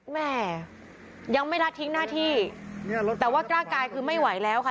แม่ยังไม่รัดทิ้งหน้าที่แต่ว่ากล้ากายคือไม่ไหวแล้วค่ะ